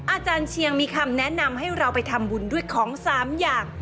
อาจารย์เชียงมีคำแนะนำให้เราไปทำบุญด้วยของ๓อย่าง